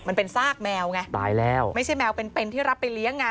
มันเป็นซากแมวไงตายแล้วไม่ใช่แมวเป็นเป็นที่รับไปเลี้ยงไง